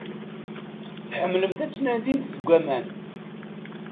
Tḥemmlemt ad tnadimt deg aman.